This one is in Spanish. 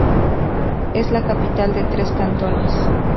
Es la capital de tres cantones.